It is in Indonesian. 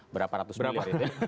berapa ratus miliar